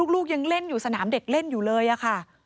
ลูกยังเล่นอยู่สนามเด็กเล่นอยู่เลยอะค่ะ